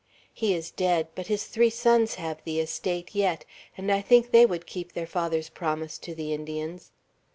He is dead; but his three sons have the estate yet, and I think they would keep their father's promise to the Indians.